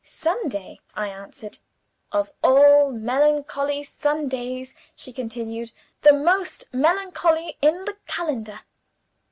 "'Sunday,' I answered. "'Of all melancholy Sundays,' she continued, the most melancholy in the calendar.